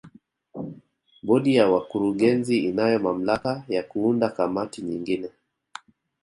Bodi ya wakurugenzi inayo mamlaka ya kuunda kamati nyingine